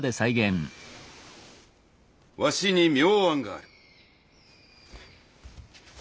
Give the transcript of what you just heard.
わしに妙案がある。